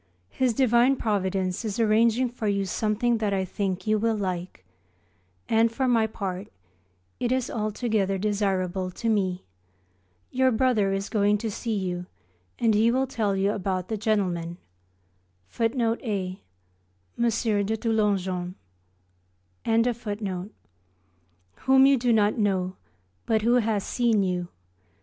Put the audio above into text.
His divine Providence is arranging for you something that I think you will like: and for my part, it is altogether desirable to me. Your brother is going to see you and he will tell you about the gentleman,[A] whom you do not know but who has seen you.